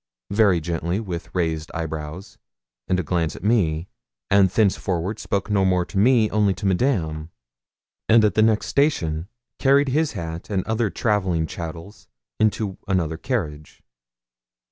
very gently, with raised eyebrows, and a glance at me, and thenceforward spoke no more to me, only to Madame, and at the next station carried his hat and other travelling chattels into another carriage.